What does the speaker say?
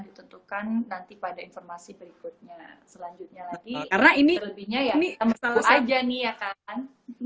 ditentukan nanti pada informasi berikutnya selanjutnya lagi karena ini lebihnya ya ya kan